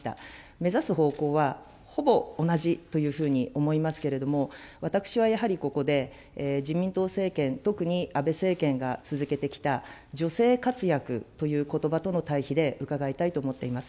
目指す方向はほぼ同じというふうに思いますけれども、私はやはり、ここで自民党政権、特に安倍政権が続けてきた、女性活躍ということばとの対比で伺いたいと思っています。